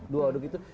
dua waduk itu